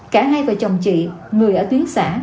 cả hai vợ chồng chị người ở tuyến xã